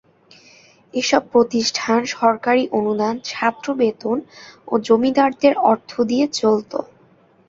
এ সব প্রতিষ্ঠান সরকারী অনুদান, ছাত্র বেতন ও জমিদারদের অর্থ দিয়ে চলত।